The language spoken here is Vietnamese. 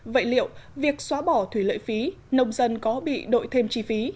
vậy liệu việc xóa bỏ thủy lợi phí nông dân có bị đội thêm chi phí